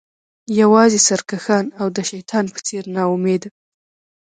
یوازې سرکښان او د شیطان په څیر ناامیده